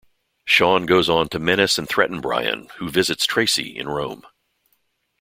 Sean goes on to menace and threaten Brian, who visits Tracy in Rome.